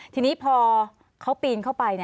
ทีนี้พอเขาปีนเข้าไป